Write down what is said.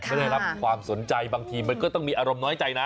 ได้รับความสนใจบางทีมันก็ต้องมีอารมณ์น้อยใจนะ